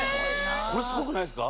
これすごくないですか？